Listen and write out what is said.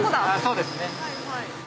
そうですね。